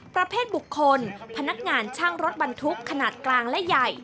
ประเภทบุคคลพนักงานช่างรถบรรทุกขนาดกลางและใหญ่